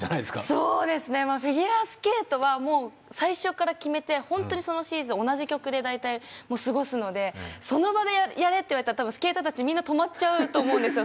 そうですねフィギュアスケートはもう最初から決めてホントにそのシーズン同じ曲で大体過ごすのでその場でやれって言われたら多分スケーターたちみんな止まっちゃうと思うんですよ